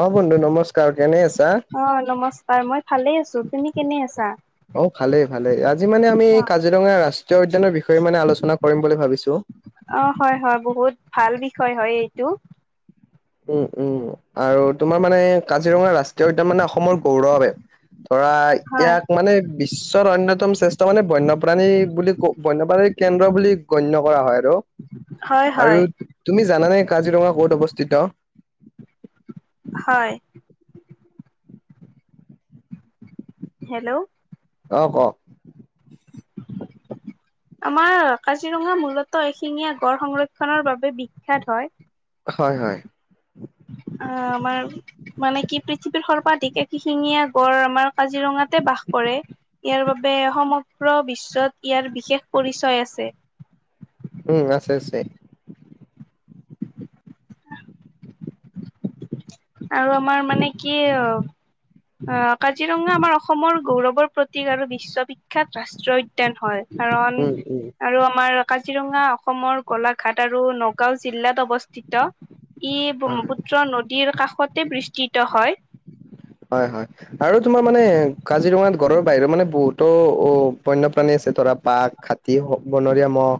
অ বন্ধু নমস্কাৰ কেনে আছা। অ', নমস্কাৰ মই ভালে আছো তুমি কেনে আছা! অ ভালেই ভালেই আজি মানে আমি অ'। কাজিৰঙা ৰাষ্ট্ৰীয় উদ্যানৰ বিষয়ে মানে আলোচনা কৰিম বুলি ভাবিছো। অ হয় হয় বহুত ভাল বিষয় হয় এইটো। উম উম আৰু তোমাৰ মানে কাজিৰঙা ৰাষ্ট্ৰীয় উদ্যান মানে অসমৰ গৌৰৱ। ধৰা হয়। ইয়াক মানে বিশ্ব। বিশ্বৰ অন্যতম শ্ৰেষ্ঠ মানে বন্যপ্ৰাণী বুলি ক বন্যপ্ৰাণী কেন্দ্ৰ বুলি গণ্য কৰা হয় আৰু। হয় হয় আৰু তুমি জানানে কাজিৰঙা ক'ত অৱস্থিত। হয় হেল্ল'। অ ক। [unintelligible] আমাৰ কাজিৰঙা মূলতঃ এশিঙীয়া গড় সংৰক্ষনৰৰ বাবে বিখ্যাত হয়। হয় হয়। অ আমাৰ মানে কি পৃথিৱীৰ সৰ্বাধিক এক শিঙীয়া গঁড় আমাৰ কাজিৰঙাতে বাস কৰে ইয়াৰ বাবে সমগ্ৰ বিশ্বত ইয়াৰ বিশেষ পৰিচয় আছে উম আছে আছে আৰু আমাৰ মানে কি আহ কাজিৰঙা আমাৰ অসমৰ গৌৰৱৰ প্ৰতীক আৰু বিশ্ববিখ্যাত ৰাষ্ট্ৰীয় উদ্যান হয় কাৰণ উম উম আৰু আমাৰ কাজিৰঙা অসমৰ গোলাঘাট আৰু নগাঁও জিলাত অৱস্থিত ই হয় ব্ৰহ্মপুত্ৰৰ নদীৰ কাষতে বিস্তৃত হয় হয় হয় আৰু তোমাৰ মানে কাজিৰঙাত গঁড় বাহিৰৰ মানে বহুতো অ বন্যপ্ৰাণী আছে ধৰা বাঘ হাতী বনৰীয়া মহ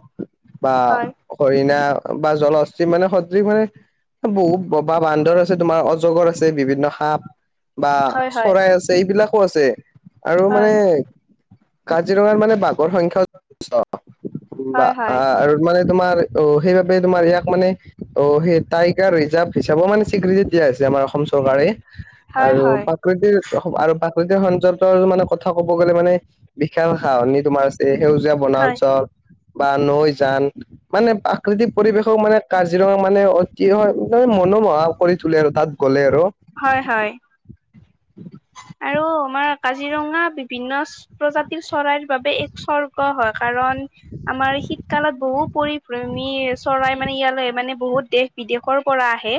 বা হয় হৰিণা বা জলহস্তি মানে সদৃশ মানে বহুত ববা বান্দৰ আছে তোমাৰ অজগৰ আছে বিভিন্ন সাপ বা হয় হয় চৰাই আছে এইবিলাক আছে আৰু মানে হয় কাজিৰঙাত মানে বাঘৰ সংখ্যা বা হয় হয় আৰু মানে তোমাৰ অ সেইবাবে তোমাৰ ইয়াক মানে অ সেই টাইগাৰ ৰিজাৰ্ভ হিচাপেও মানে স্বীকৃতি দিয়া হৈছে আমাৰ অসম চৰকাৰে হয় আৰু হয় প্ৰাকৃতিৰ আৰু গোটেই সনযন্ত মানে কথা ক'ব গ'লে মানে বিশাল সাহানি তোমাৰ আছে সেউজীয়া হয় বনাঞ্চল বা নৈ যান মানে প্ৰাকৃতিক পৰিৱেশও মানে কাজিৰঙা মানে অতিশয় মনোমোহা কৰি তুলে আৰু তাত গ'লে আৰু হয় হয় আৰু আমাৰ কাজিৰঙা বিভিন্ন প্ৰজাতিৰ চৰাইৰ বাবে এক স্বৰ্গ হয় কাৰণ আমাৰ শীতকালত বহু পৰিভ্ৰমী চৰাই মানে ইয়ালৈ মানে বহুত দেশ বিদেশৰ পৰা আহে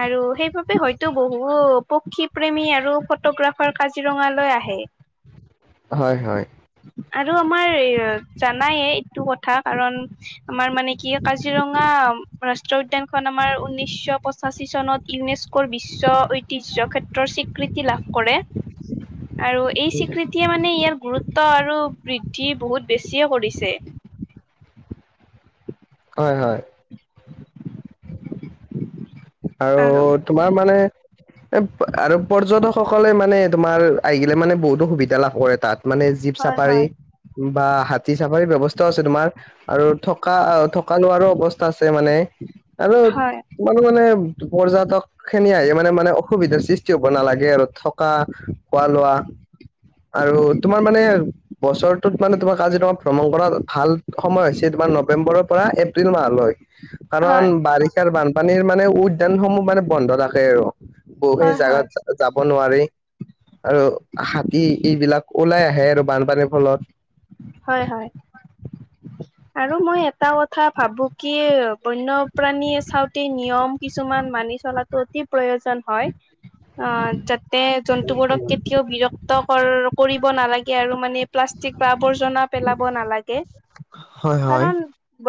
আৰু সেইবাবে হয়তো বহু পক্ষী প্ৰেমী আৰু ফটোগ্ৰাফাৰ কাজিৰঙালৈ আহে [unintelligible] হয় হয় আৰু আমাৰ এ জানায়ে এইটো কথা কাৰণ আমাৰ মানে কি কাজিৰঙা ৰাষ্ট্ৰীয় উদ্যানখন আমাৰ ঊন্নিছ' পঁচাছী চনত ইউনেস্কোৰ বিশ্ব ঐতিহ্য ক্ষেত্ৰৰ স্বীকৃতি লাভ কৰে আৰু এই স্বীকৃতিয়ে মানে ইয়াৰ গুৰুত্ব ত আৰু বৃদ্ধি বহুত বেছিয়ে কৰিছে। হয় হয়। আৰু তোমাৰ মানে এ আৰু পৰ্যটকসকলে মানে তোমাৰ আহিলে মানে বহুতো সুবিধা লাভ কৰে তাত। মানে জীপ হয় চাফাৰী হয়। বা হাতী চাফাৰী ব্যৱস্থাও আছে তোমাৰ। আৰু থকা - থকা লোৱাৰো অৱস্থা আছে মানে আৰু হয় ইমান টো মানে পৰ্যটক খিনি আহি মানে - মানে অসুবিধাৰ সৃষ্টি হ'ব নালাগে আৰু থকা খোৱা লোৱা আৰু তোমাৰ মানে বছৰটোত মানে তোমাৰ কাজিৰঙাত ভ্ৰমণ কৰা ভাল সময় হৈছে তোমাৰ নৱেম্বৰৰ পৰা এপ্ৰিল মাহলৈ। কাৰণ হয়। বাৰিষাৰ বানপানীৰ মানে উদ্যানসমূহ মানে বন্ধ থাকে আৰু। বহুখিনি হয় হয় জাগাত যাব নোৱাৰি আৰু হাতী এইবিলাক ওলাই আহে আৰু বানপানীৰ ফলত। হয় হয়। আৰু মই এটা কথা ভাবো কি বন্যপ্ৰাণীয়ে চাওঁতে নিয়ম কিছুমান মানি চলাটো অতি প্ৰয়োজন হয়। অ' যাতে জন্তুবোৰক কেতিয়াও বিৰক্ত কৰ - কৰিব নালাগে আৰু মানে প্লাষ্টিক বা আৱৰ্জনা পেলাব নালাগে। হয় হয়।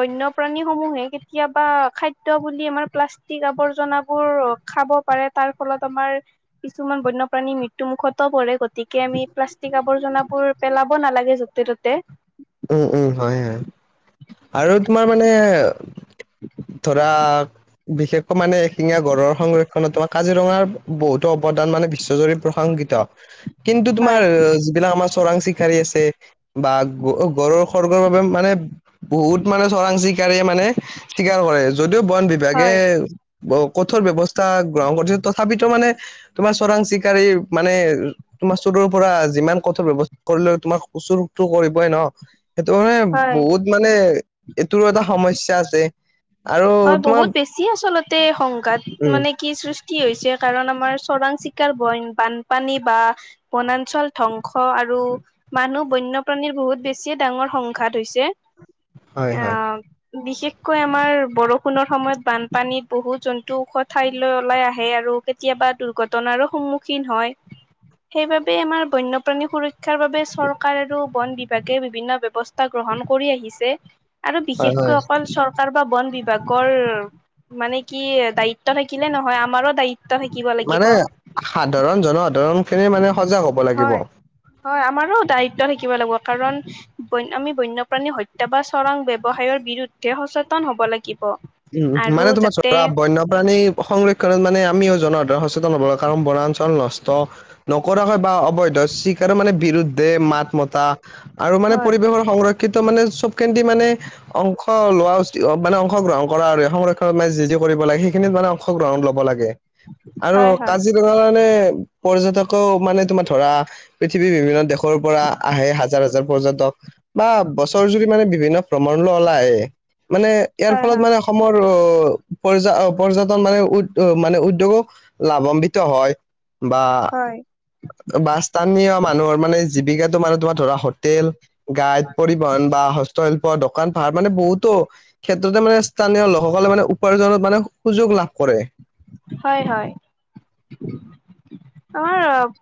বন্য প্ৰাণী সমূহে কেতিয়াবা খাদ্য বুলি আমাৰ প্লাষ্টিক আবৰ্জনা বোৰ খাব পাৰে তাৰ ফলত আমাৰ কিছুমান বন্যপ্ৰাণী মৃত্যু মুুখতো পৰে। গতিকে আমি প্লাষ্টিক আৱৰ্জনাবোৰ পেলাব নালাগে য'তে ত'তে। উম উম। হয় হয়, আৰু তোমাৰ মানে ধৰা বিশেষকৈ মানে শিঙীয়া গড়ৰ সংৰক্ষণত তোমাৰ কাজিৰঙাৰ বহুতো অৱদান মানে বিশ্বজুৰি প্ৰশংসিত কিন কিন্তু তোমাৰ হয় যিবিলাক আমাৰ চোৰাং চিকাৰী আছে বা গড়ৰ খৰ্গৰ বাবে বহুত মানে চোৰাং চি কাৰী মানে চিকাৰ কৰে, যদিও বন বিভাগে হয় ব কঠোৰ ব্যৱস্থা গ্ৰহণ কৰিছে তথাপিতো মানে তোমাৰ চোৰাং চিকাৰিৰ মানে তোমাৰ চোৰৰ পৰা যিমান কঠোৰ ব্যৱস্থা কৰিলে তোমাৰ [unintelligible] কৰি ন সেইটো মানে হয় বহুত মানে এইটোৰো এটা সমস্যা আছে। আৰু হয় তোমাৰ বহুত বেছি আচলতে সংঘাত উম মানে কি সৃচ তি হৈছে কাৰণ আমাৰ চোৰাং চিকাৰ বইন - বানপানী বা বনাঞ্চল ধ্বংস আৰ‌ আৰু মানুহ বন্যপ্ৰাণীৰ বহুত বেছিয়ে ডাঙৰ সংঘাত হৈছে। হয় হয় অ' বিশেষকৈ আমাৰ বৰষুণৰ সময়ত বানপানীত বহুত জন্তু ওখ ঠাইলৈ ওলাই আহে আৰু কেতিয়াবা দুৰ্ঘটনা সন্মূখীন হয়, সেইবাবে আমাৰ বন্য প্ৰাণী সুৰক্ষাৰ বাবে চৰকাৰ আৰু বন বিভাগে বিভিন্ন ব্যৱস্থা গ্ৰহণ কৰি আহিছে। আৰু হয় বিশেষকৈ হয় অকল চৰকাৰ বা বন বিভ ভাগৰ মানে কি দায়িত্ব থাকিলে নহয় আমাৰো দায়ি মানে সাধাৰণ জনসাধাৰণ খিনি মানে সজাগ হ'ব লাগিব। হয় হয় আমাৰো দায়িত্ব থাকিব লাগব কাৰণ আমি বন্যপ্ৰাণী হত্যা বা চোৰাং ব্যৱসায়ৰ বিৰুদ্ধে সচেতন হব লাগিব। উম, আৰু মানে তোমাৰ যাতে ধৰা বন্যপ্ৰাণী সংৰক্ষণত মানে আমিও জনসাধাৰণ সচ তন হব কাৰন বনাঞ্চল নষ্ট নকৰা হয় বা অবৈধ চিকাৰ মানে বিৰুধ দে মাত মতা আৰু মানে হয় পৰিৱেশৰ সংৰক্ষিত মানে চবখিনতে মানে অংশ লোৱা উচিত মানে অংশগ্ৰহণ কৰা আৰু সংৰক্ষণ যি যি কৰিব লাগে সেইখিনিত মানে অংশগ্ৰহণ ল'ব লাগে আৰু হয় হয় হয় কাজিৰঙা মানে পৰ্যটকৰ মানে তোমাৰ ধৰা পৃথিৱীৰ বিভিন্ন দেশৰ পৰা আহে হাজাৰ হাজাৰ পৰ্যটক বা বছৰ জুৰি মানে বিভিন্ন ভ্ৰমণ নলাই মানে ইয়াৰ ফলত হয় মানে পৰ পৰ্যটন মানে উদ মানে উদ্যোগক লাভান্বিত হয় বা বা স্থানীয় মানুহৰ মানে জীৱিকাটো মানে তোমাৰ ধৰা হোটেল গাইড পৰিবহন বা হস্তশিল্প দোকান পাহাৰ মানে বহুতো ক্ষেত্ৰতে মানে স্থানীয় লোকসকলে মানে উপাৰ্জনৰ মানে সুযোগ লাভ কৰে কৰে হয় হয় অ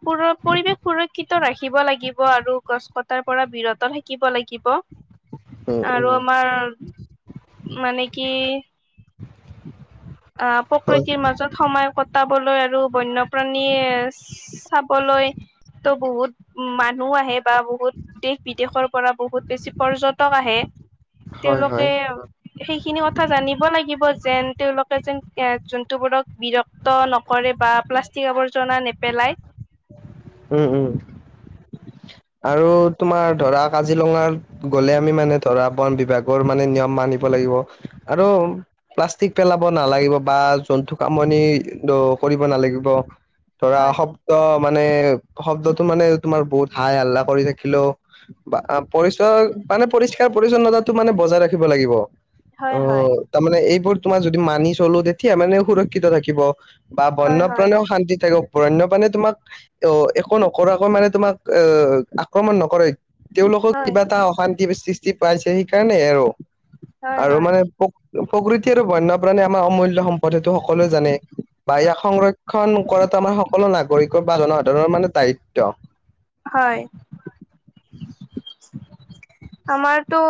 পুৰ পৰিৱেশ সুৰক্ষিত ৰাখিব লাগিব আৰু গছ কটাৰ পৰা বিৰত থাকিব শিকিব লাগিব উম আৰু উম আমাৰ মানে কি অ হয় প্ৰকৃতিৰ মাজত সময় কটা বলৈ আৰু বন্যপ্ৰাণীয়ে চাবলৈ তো বহুত মানুহ আহে বা বহুত দেশ বিদেশৰ পৰা বহুত বেছি পৰ্যটক আহে হয় তেওঁলোকে হয় সেইখিনি কথা জানিব লাগিব। যেন তেওঁলোকে যেন এ জন্তুটো বোৰক বিৰক্ত নকৰে বা প্লাষ্টিক আৱৰ জনা নেপেলাই উম উম [inaudible] আৰু তোমাৰ ধৰা কাজিৰঙাত গ'লে আমি মানে ধৰা বন বিভাগৰ মানে নিয়ম মানিব লাগিব। আৰু প্লাষ্টিক পেলাব নালাগিব বা জন্তু আমনি কৰিব নালাগিব ধৰা হয় শব্দ মানে শব্দতটো মানে তোমাৰ বহুত হাই হল্লা কৰি থাকিলেও বা পৰিচয় মানে পৰিষ্কাৰ পৰিচ্ছন্নতা মানে বজাই ৰাখিব লাগিব অ হয় হয় তাৰ মানে এইবোৰ তোমাৰ যদি মানি চলোতে সেয়া মানে সুৰক্ষিত থাকিব বা হয় হয় বন্যপ্ৰাণেও শান্তি থাকিব বন্য প্ৰাণে তোমাক অ একো নকৰাকৈ মানে তোমাক অ আক্ৰমণ নকৰে তেওঁলোকক হয় কিবা এটা অশান্তি সৃষ্টি পাইছে সেইকাৰণে আৰু হয় আৰু হয়। মানে প্ৰ প্ৰকৃতিৰ বন্যপ্ৰাণে আমাৰ অমূল্যয় সম্পদ সেইটো সকলোৱে জানে বা ইয়াক সংৰক্ষণ কৰাটো আমাৰ সকলো নাগৰিকৰ বা জনসাধাৰণৰ মানে দায়িত্ব হয় আমাৰটো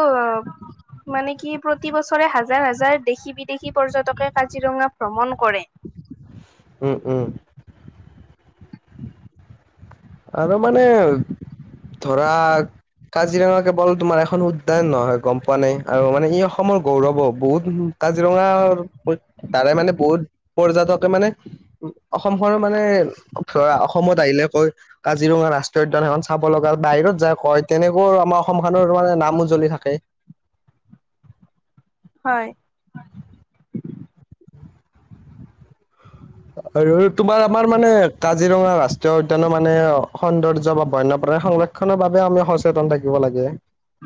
মানে কি প্ৰতিবছৰে হাজাৰ হাজাৰ দেশী বিদেশী পৰ্যটকে কাজিৰঙা ভ্ৰমণ কৰে উম উম [inaudible] আৰু মানে ধৰা কাজিৰঙা কেৱল তোমাৰ এখন উদ্যান নহয় গম পোৱা নাই আৰু মানে ই অসমৰ গৌৰৱ বহুত কাজিৰঙাৰ তাৰে মানে বহুত পৰ্যটকে মানে উ অসমখন মানে ধৰা অসমত আহিলে কৈ কাজিৰঙা ৰাষ্ট্ৰীয় উদ্যান সেইখন চাব লগা বাহিৰত যায় কয় তেনেকৈও আমাৰ অসম খনৰ মানে নাম উজ্জ্বলি থাকে হয় আৰু তোমাৰ আমাৰ মানে কাজিৰঙা ৰাষ্ট্ৰীয় উদ্যানৰ মানে সৌন্দৰ্য বা বন্যপ্ৰা সংৰক্ষনৰ বাবেও আমি সচেতন থাকিব লাগে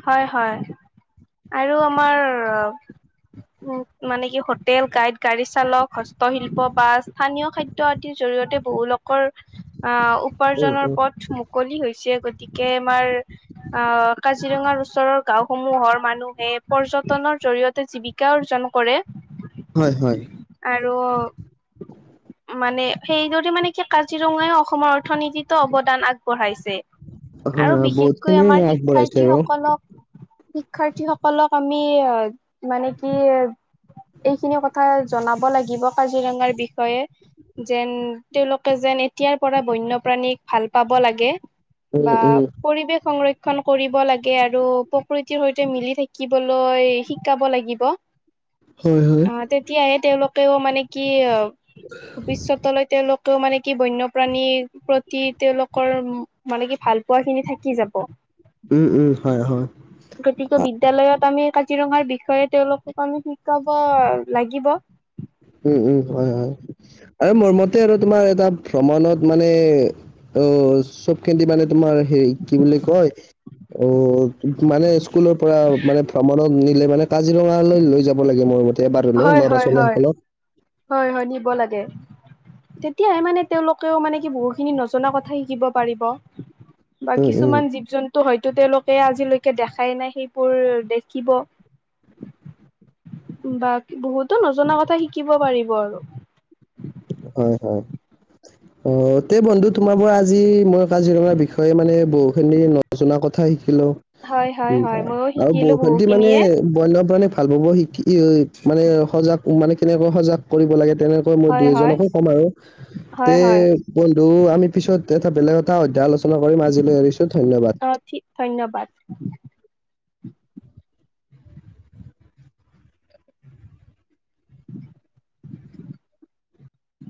হয় হয় আৰু আমাৰ উ মানে কি হোটেল গাইড গাড়ী চালক হস্তশিল্প বা স্থানীয় খাদ্য আদি জৰিত জৰিয়তে বহু লোকৰ আহ উম উপাৰ্জনৰ উম পথ মুকলি হৈছে গতিকে কেম আমাৰ অ কাজিৰঙাৰ ওচৰৰ গাওঁ সমূহৰ মানুহে পৰ্যটনৰ জৰি়য়তে জীৱিকা অৰ্জন কৰে হয় হয় আৰু মানে সেইদৰে মানে কি কাজিৰঙাই অসমৰ অৰ্থনীতিতো অৱদান আগবঢ়াইছে। হয় আৰু হয় বহুত বিশেষকৈ খিনি আমাৰ আগবঢ়াইছে আৰু শিক্ষাৰ্থীসকলক শিক্ষাৰ্থীসকলক আমি অ মানে কি এইখিনি কথা জনাব লাগিব কাজিৰঙাৰ বিষয়ে যেন তেওঁলোকে যেন এতিয়াৰ পৰা বন্যপ্ৰাণীক ভাল পাব লাগে উম বা উম পৰিৱেশ সংৰক্ষ ক্ষণ কৰিব লাগে আৰু প্ৰকৃতিৰ সৈতে মিলি থাকিবলৈ শিকাব লাগিব হয় হয় অ' তেতিয়াহে তেওঁলোকেও মানে কি অ ভৱিষ্যত লৈ তেওঁলোক মানে কি বন্যপ্ৰাণীৰ প্ৰতি তেওঁলোকৰ মানে কি ভাল পোৱা খিনি থাকি যাব উম উম হয় হয় গতিকে আ, বিদ্যালয়ত আমি কা জিৰঙাৰ বিষয়ে তেওঁলোকক আমি শিকাব লাগিব উম উম হয় হয় আৰু মোৰ মতে আৰু তোমাৰ এটা ভ্ৰমণত মানে অ চব খেদি মানে তোমাৰ হেৰি কি বুলি কয় অ মানে স্কুলৰ পৰা মানে ভ্ৰমণত নিলে মানে কাজিৰঙালৈ লৈ যাব লাগে মোৰ মত তে বাৰলো হয় ল'ৰা হয় হয় ছোৱালীসকলক হয় হয় নিব লাগে তেতিয়াহে মানে তেওঁলোক ও মানে কি বহু খিনি নজনা কথা শিকিব পাৰিব বা উম উম কিছুমান জীৱ জন্তু হয় টো তেওঁলোকে আজিলৈকে দেখাই নাই সেইবোৰ দেখিব। বাক বহুতো নজনা কথা শিকিব পাৰিব আৰু হয় হয় অ তে বন্ধু তোমাৰ পৰা আজি মই কাজিৰঙাৰ বিষয়ে মানে বহুখিনি ন জনা কথা শিকিলো হয় হয় হয় ময়ো আও শিকিলো বৌষণ্ডি মানে বহুখিনিয়ে বন্যপ্ৰাণী ভাল পাব শিকি মানে সজাগ মানে কেনেকৈ সজাগ কৰিব লাগে তেনেকা হয় দুই হয় এজনকো ক'ম আৰু হয় তে হয়। বন্ধু আমি পিছত এটা বেলেগ এটা অধ্যায় আলো- চনা কৰিম আজিলৈ এৰিছো ধন্যবাদ। অ ঠিক ধন্যবাদ। [unintelligible]